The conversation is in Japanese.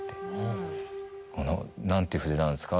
何て筆なんですか？